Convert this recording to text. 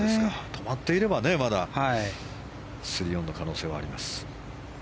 止まっていれば３オンの可能性はあります。